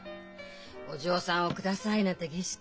「お嬢さんを下さい」なんて儀式